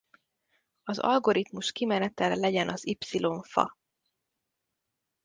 Az algoritmus kimenetele legyen az Y fa.